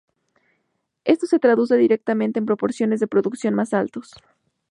Esto se traduce directamente en proporciones de reproducción más altos.